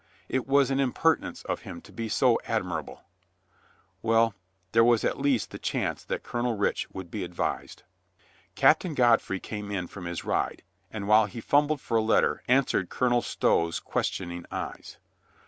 It was_ an impertinence of him to be admirable ... Well, there was at least the chance that Colonel Rich would be advised. Captain Godfre)'^ came in from his ride, and while he fumbled for a letter, answered Colonel Stow's questioning eyes.